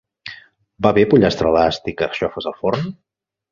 Va bé pollastre a l'ast i carxofes al forn?